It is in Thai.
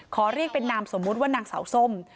ขอเรียกเป็นนามสมมุติว่านางสาวส้ม